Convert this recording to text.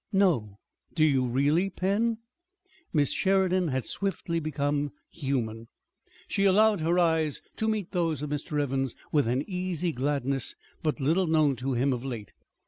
"No! Do you really, Pen?" Miss Sheridan had swiftly become human. She allowed her eyes to meet those of Mr. Evans' with an easy gladness but little known to him of late.